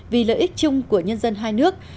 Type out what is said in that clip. vì lợi ích chung của nhân dân hai nước